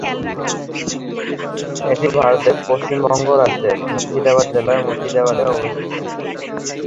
এটি ভারতের পশ্চিমবঙ্গ রাজ্যের মুর্শিদাবাদ জেলার মুর্শিদাবাদে অবস্থিত।